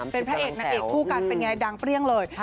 เป็นพระเอกนางเอกคู่กันเป็นไงดังเปรี้ยงเลย